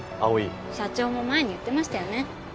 社長も前に言ってましたよね。